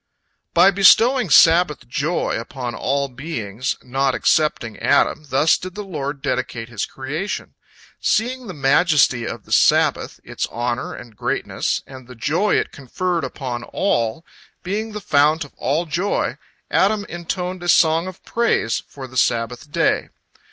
By bestowing Sabbath joy upon all beings, not excepting Adam, thus did the Lord dedicate His creation. Seeing the majesty of the Sabbath, its honor and greatness, and the joy it conferred upon all, being the fount of all joy, Adam intoned a song of praise for the Sabbath day.